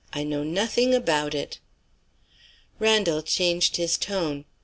_ I know nothing about it." Randal changed his tone.